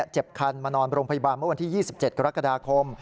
คันมานอนโรงพยาบาลเมื่อวันที่๒๗กรกฎาคม